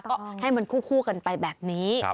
ก็ให้มันคู่กันไปแบบนี้